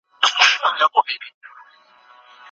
لښتې په خپلو سترګو کې نوی ژوند ولید.